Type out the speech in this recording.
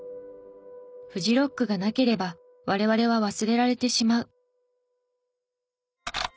「フジロックがなければ我々は忘れられてしまう」